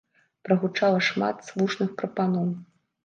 Прагучала шмат слушных прапаноў.